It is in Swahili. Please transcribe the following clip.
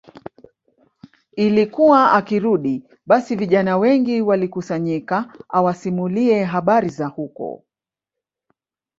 Ilikuwa akirudi basi vijana wengi walikusanyika awasimulie habari za huko